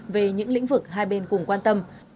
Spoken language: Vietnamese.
về những lĩnh vực hai bên cùng quan tâm